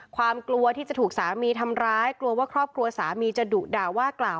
กลัวที่จะถูกสามีทำร้ายกลัวว่าครอบครัวสามีจะดุด่าว่ากล่าว